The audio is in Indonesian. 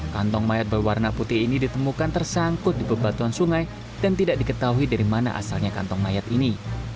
kantong mayat berwarna putih ini ditemukan tersangkut di bebatuan sungai dan tidak diketahui dari mana asalnya kantong mayat ini